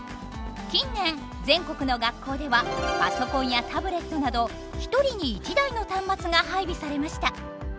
近年全国の学校ではパソコンやタブレットなど１人に１台の端末が配備されました。